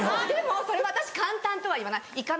でもそれ私簡単とはいわない。